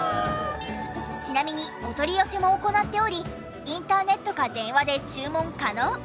ちなみにお取り寄せも行っておりインターネットか電話で注文可能。